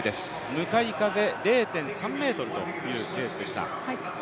向かい風０．３メートルというペースでした。